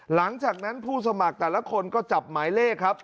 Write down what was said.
หลังจากนั้นผู้สมัครแต่ละคนก็จับหมายเลขครับ